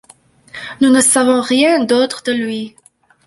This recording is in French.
Nous ne savons rien d'autre de lui.